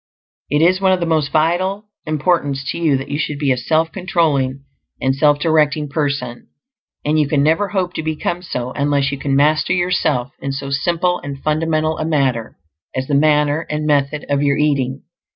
It is of the most vital importance to you that you should be a self controlling and self directing person; and you can never hope to become so unless you can master yourself in so simple and fundamental a matter as the manner and method of your eating.